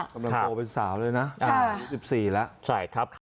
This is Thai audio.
ดำเนินโตเป็นสาวเลยนะ๑๔แล้ว